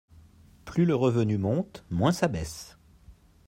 Plus le revenu monte, moins ça baisse